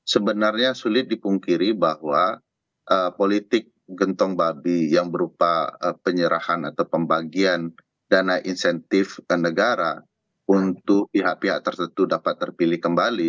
sebenarnya sulit dipungkiri bahwa politik gentong babi yang berupa penyerahan atau pembagian dana insentif ke negara untuk pihak pihak tertentu dapat terpilih kembali